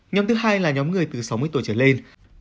nhóm thứ hai là nhóm người từ sáu mươi tuổi trở lên